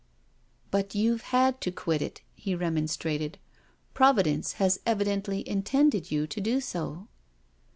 " But you've had to quit it," he remonstrated. " Providence has evidently intended you to do so."